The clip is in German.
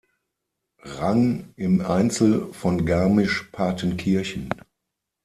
Rang im Einzel von Garmisch-Partenkirchen.